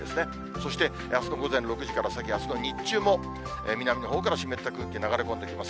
そして、あすの午前６時から先、あすの日中も、南のほうから湿った空気が流れ込んできます。